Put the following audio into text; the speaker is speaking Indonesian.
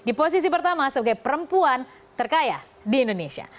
di posisi pertama sebagai perempuan terkaya di indonesia